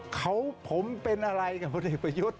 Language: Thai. เขาผมเป็นอะไรกับพลเอกประยุทธ์